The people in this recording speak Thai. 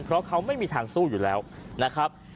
เพราะเขาไม่มีทางสู้อยู่แล้วนะครับ